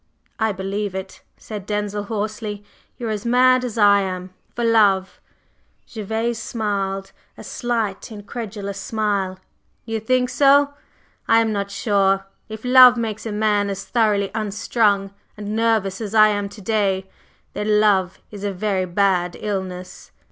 "I believe it!" said Denzil, hoarsely. "You are as mad as I am for love!" Gervase smiled; a slight incredulous smile. "You think so? I am not sure! If love makes a man as thoroughly unstrung and nervous as I am to day, then love is a very bad illness."